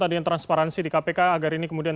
adanya transparansi di kpk agar ini kemudian